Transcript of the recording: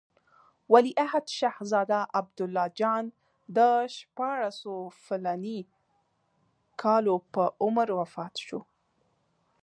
ولیعهد شهزاده عبدالله جان د شپاړسو فلاني کالو په عمر وفات شو.